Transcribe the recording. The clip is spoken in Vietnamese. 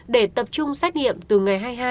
để tập trung xét nghiệm từ ngày hai mươi hai